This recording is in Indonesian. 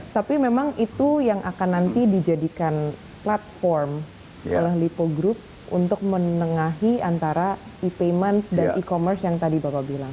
tapi memang itu yang akan nanti dijadikan platform oleh lipo group untuk menengahi antara e payment dan e commerce yang tadi bapak bilang